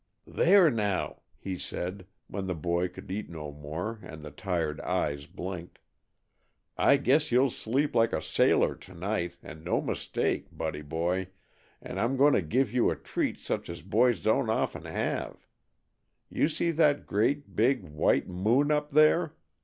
"There, now!" he said when the tired boy could eat no more, and the tired eyes blinked, "I guess you'll sleep like a sailor to night, and no mistake, Buddy boy, and I'm going to give you a treat such as boys don't often have. You see that great, big, white moon up there?